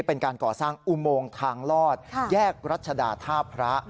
เป็นการก่อสร้างอุโมงทางลอดแยกรัชดาท่าพระ